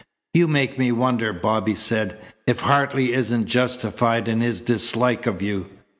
"You make me wonder," Bobby said, "if Hartley isn't justified in his dislike of you.